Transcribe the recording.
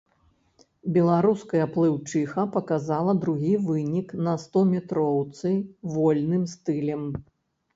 Беларуская плыўчыха паказала другі вынік на стометроўцы вольным стылем.